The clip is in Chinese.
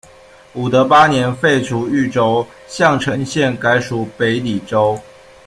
武德八年废除淯州，向城县改属北澧州。